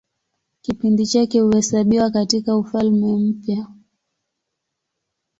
Kipindi chake huhesabiwa katIka Ufalme Mpya.